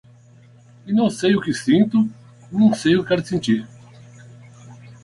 E não sei o que sinto, não sei o que quero sentir